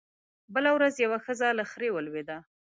بله ورځ يوه ښځه له خرې ولوېده